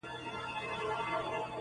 په سندرو په غزل په ترانو کي٫